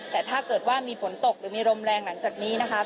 แต่ถ้าเกิดว่ามีฝนตกหรือมีลมแรงหลังจากนี้นะคะ